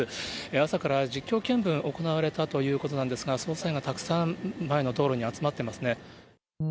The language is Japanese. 朝から実況見分、行われたということなんですが、捜査員がたくさん前の道路に集まってますね。